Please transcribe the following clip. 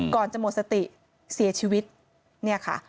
ก่อนจะหมดสติเสียชีวิตเนี่ยค่ะ